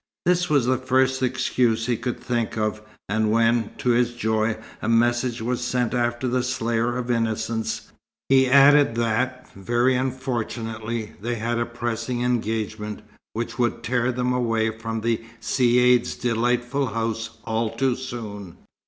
This was the first excuse he could think of; and when, to his joy, a message was sent after the slayer of innocence, he added that, very unfortunately, they had a pressing engagement which would tear them away from the Caïd's delightful house all too soon.